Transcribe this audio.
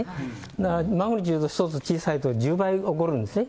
だからマグニチュード１つ小さいと１０倍起こるんですね。